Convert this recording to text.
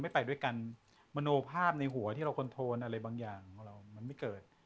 ไปด้วยกันมโนภาพในหัวที่เราคอนโทนอะไรบางอย่างของเรามันไม่เกิด